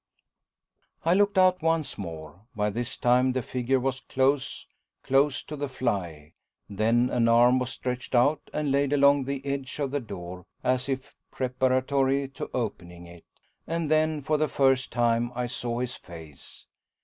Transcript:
I looked out once more. By this time the figure was close, close to the fly. Then an arm was stretched out and laid along the edge of the door, as if preparatory to opening it, and then, for the first time I saw his face.